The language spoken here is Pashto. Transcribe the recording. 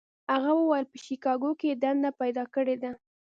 هغه وویل په شیکاګو کې یې دنده پیدا کړې ده.